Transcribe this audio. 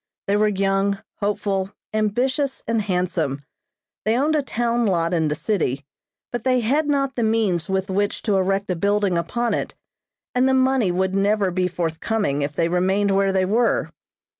They were young, hopeful, ambitious and handsome. They owned a town lot in the city, but they had not the means with which to erect a building upon it, and the money would never be forthcoming if they remained where they were.